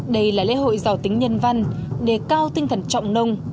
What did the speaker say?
đây là lễ hội giàu tính nhân văn đề cao tinh thần trọng nông